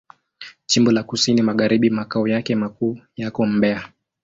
Jimbo la Kusini Magharibi Makao yake makuu yako Mbeya.